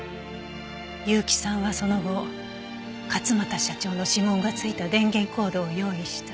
結城さんはその後勝又社長の指紋がついた電源コードを用意した。